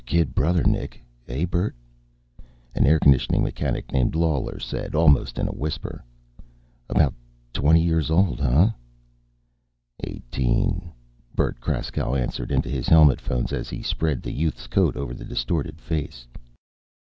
"Your kid brother, Nick, eh, Bert?" an air conditioning mechanic named Lawler said, almost in a whisper. "About twenty years old, hunh?" "Eighteen," Bert Kraskow answered into his helmet phones as he spread the youth's coat over the distorted face.